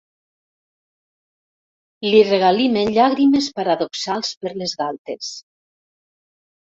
Li regalimen llàgrimes paradoxals per les galtes.